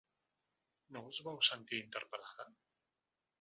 No us vau sentir interpel·lada?